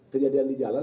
kejadian di jalan